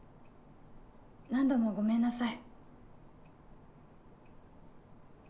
・何度もごめんなさい